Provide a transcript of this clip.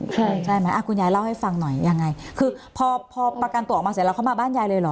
ใช่ใช่ไหมคุณยายเล่าให้ฟังหน่อยยังไงคือพอพอประกันตัวออกมาเสร็จแล้วเขามาบ้านยายเลยเหรอ